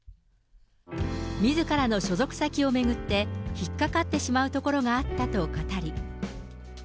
みずからの所属先を巡って、引っ掛かってしまうところがあったと語り。